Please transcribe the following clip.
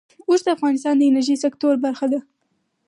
اوښ د افغانستان د انرژۍ سکتور برخه ده.